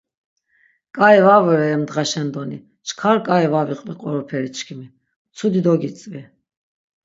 K̆ai va vore em dğaşen doni, çkar k̆ai va viqvi qoroperi çkimi. Mtsudi dogitzvi.